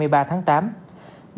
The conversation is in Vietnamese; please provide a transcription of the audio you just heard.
bàn cũng cần tăng cường và ra soát